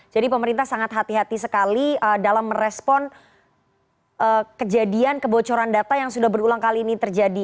jadi pemerintah sangat hati hati sekali dalam merespon kejadian kebocoran data yang sudah berulang kali ini terjadi